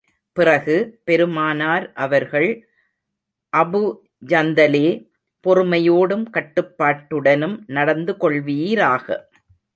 பிறகு, பெருமானார் அவர்கள், அபூ ஜந்தலே, பொறுமையோடும் கட்டுப்பாட்டுடனும் நடந்து கொள்வீராக.